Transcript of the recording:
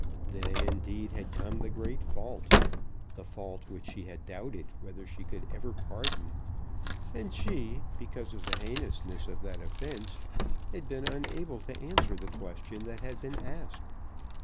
Then, indeed, had come the great fault, the fault which she had doubted whether she could ever pardon; and she, because of the heinousness of that offence, had been unable to answer the question that had been asked.